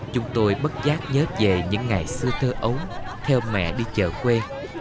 chúng tôi bất giác nhớ về những ngày xưa thơ ấu theo mẹ đi chợ quê